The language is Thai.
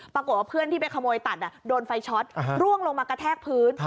ปรากฏว่าเพื่อนที่ไปขโมยตัดโดนไฟช็อตร่วงลงมากระแทกพื้น